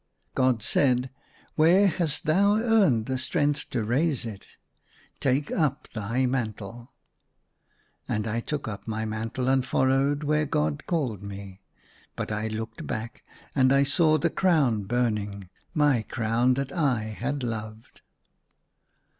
God said, " Where hast thou earned the strength to raise it ? Take up thy mantle." And I took up my mantle and fol lowed where God called me ; but I looked back, and I saw the crown burning, my crown that I had loved.